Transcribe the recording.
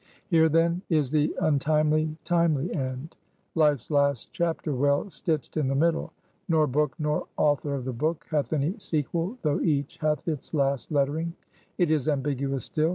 "Here, then, is the untimely, timely end; Life's last chapter well stitched into the middle! Nor book, nor author of the book, hath any sequel, though each hath its last lettering! It is ambiguous still.